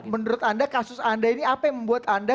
menurut anda kasus anda ini apa yang membuat anda